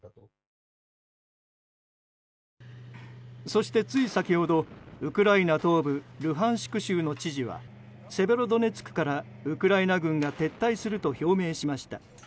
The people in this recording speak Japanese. そして、つい先ほどウクライナ東部ルハンシク州の知事はセベロドネツクからウクライナ軍が撤退すると表明しました。